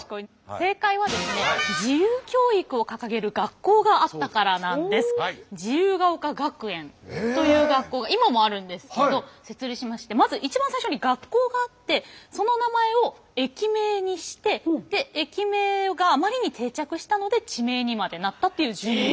正解はですね自由ヶ丘学園という学校が今もあるんですけど設立しましてまず一番最初に学校があってその名前を駅名にしてで駅名があまりに定着したので地名にまでなったという順番。